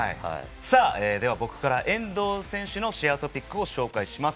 僕から遠藤選手のシェアＴＯＰＩＣを紹介します。